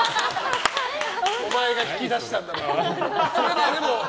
お前が引き出したんだろって。